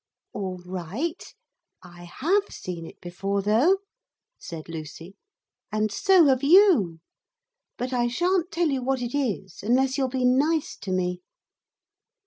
'All right. I have seen it before though,' said Lucy, 'and so have you. But I shan't tell you what it is unless you'll be nice to me.'